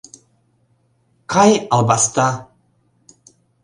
Кай, албаста!